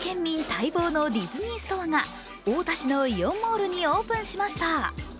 待望のディズニーストアが太田市のイオンモールにオープンしました。